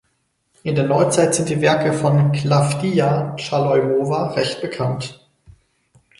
In der Neuzeit sind die Werke von Klawdija Chaloimowa recht bekannt.